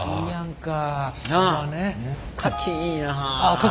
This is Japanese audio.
かきいいな。